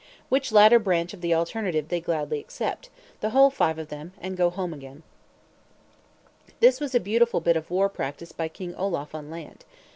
Which latter branch of the alternative they gladly accept, the whole five of them, and go home again. This was a beautiful bit of war practice by King Olaf on land.